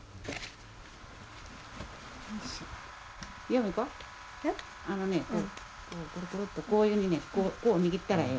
由美子あのねこういうふうにねこう握ったらええ。